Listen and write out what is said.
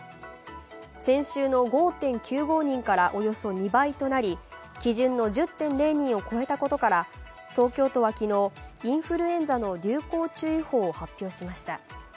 先週の５．９５人からおよそ２倍となり基準の１０．０人を超えたことから東京都は昨日、インフルエンザの流行注意報を発表しました。